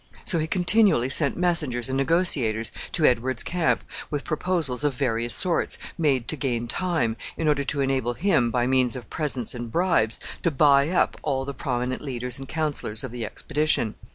So he continually sent messengers and negotiators to Edward's camp with proposals of various sorts, made to gain time, in order to enable him, by means of presents and bribes, to buy up all the prominent leaders and counselors of the expedition.